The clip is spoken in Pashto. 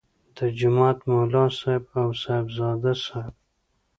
د جومات ملا صاحب او صاحبزاده صاحب.